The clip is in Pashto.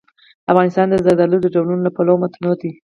افغانستان د زردالو د ډولونو له پلوه متنوع دی.